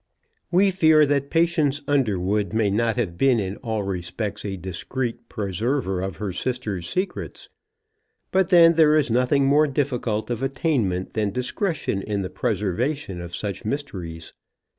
We fear that Patience Underwood may not have been in all respects a discreet preserver of her sister's secrets. But then there is nothing more difficult of attainment than discretion in the preservation of such mysteries.